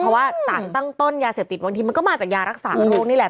เพราะว่าสารตั้งต้นยาเสพติดบางทีมันก็มาจากยารักษาโรคนี่แหละ